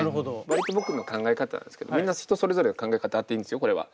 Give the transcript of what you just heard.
割と僕の考え方なんですけどみんな人それぞれ考え方あっていいんですよこれは。